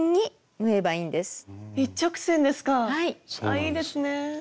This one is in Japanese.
あいいですね。